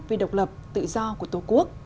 vì độc lập tự do của tổ quốc